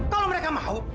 kalau mereka mau